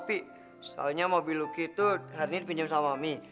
mobilnya opi soalnya mobil lucky itu hari ini dipinjam sama mami